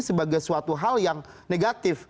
sebagai suatu hal yang negatif